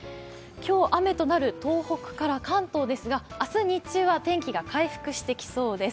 今日、雨となる東北から関東ですが明日日中は天気が回復してきそうです。